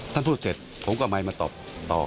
ท่านพูดเสร็จผมก็ไม่มาตอบต่อ